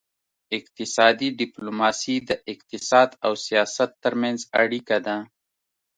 اقتصادي ډیپلوماسي د اقتصاد او سیاست ترمنځ اړیکه ده